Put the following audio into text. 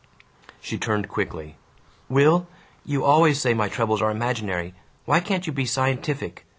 She turned quickly. "Will, you always say my troubles are imaginary. Why can't you be scientific?